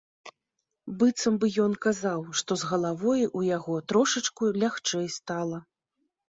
Быццам бы ён казаў, што з галавою ў яго трошачку лягчэй стала.